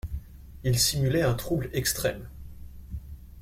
Il simulait un trouble extrême.